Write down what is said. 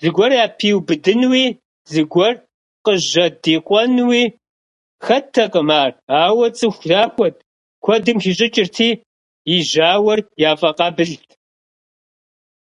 Зыгуэр япиубыдынуи, зыгуэр къыжьэдикъуэнуи хэттэкъым ар, ауэ цӀыху захуэт, куэдым хищӀыкӀырти, и жьауэр яфӀэкъабылт.